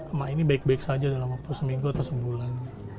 emak ini baik baik saja dalam waktu seminggu atau sebulan